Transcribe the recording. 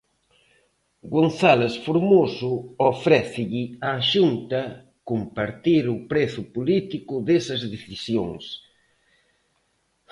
González Formoso ofrécelle á Xunta compartir o prezo político desas decisións.